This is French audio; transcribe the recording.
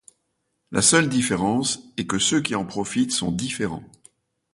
La seule différence est que ceux qui en profitent sont différents.